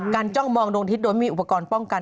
จ้องมองดวงทิศโดยมีอุปกรณ์ป้องกัน